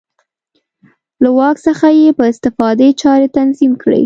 له واک څخه یې په استفادې چارې تنظیم کړې.